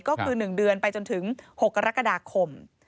ก็คือ๑เดือนไปจนถึง๖กรกฎาคม